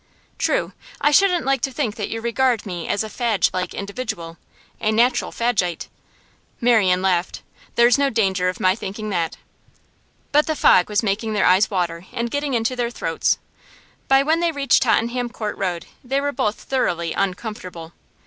'True. I shouldn't like to think that you regard me as a Fadge like individual, a natural Fadgeite.' Marian laughed. 'There's no danger of my thinking that.' But the fog was making their eyes water and getting into their throats. By when they reached Tottenham Court Road they were both thoroughly uncomfortable.